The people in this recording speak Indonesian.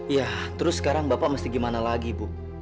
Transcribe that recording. iya terus sekarang bapak mesti gimana lagi bu